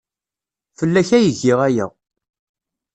Fell-ak ay giɣ aya.